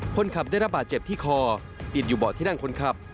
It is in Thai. คนขับได้รับบาดเจ็บที่คอติดอยู่เบาะที่นั่งคนขับ